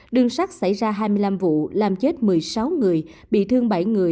đường thủy xảy ra năm vụ làm chết hai người bị thương hai bốn trăm hai mươi ba người